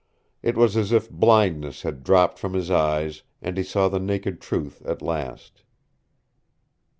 It was as if blindness had dropped from his eyes and he saw the naked truth at last.